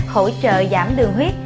hỗ trợ giảm đường huyết